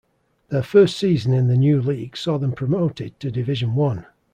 Their first season in the new league saw them promoted to Division One.